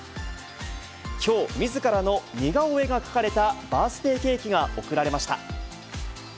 きょう、みずからの似顔絵が描かれたバースデーケーキが贈られました。